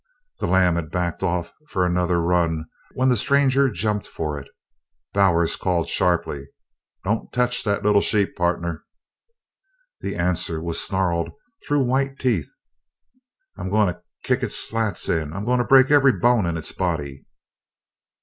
The lamb had backed off for another run when the stranger jumped for it. Bowers called sharply: "Don't tech that little sheep, pardner!" The answer was snarled through white teeth: "I'm goin' to kick its slats in! I'm goin' to break every bone in its body."